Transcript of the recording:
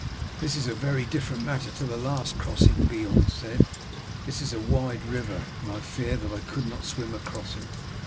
"This is a very different matter to the last crossing," Beorn said. "This is a wide river, and I fear that I could not swim across it."